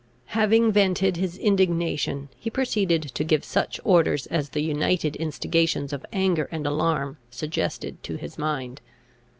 Having vented his indignation, he proceeded to give such orders as the united instigations of anger and alarm suggested to his mind.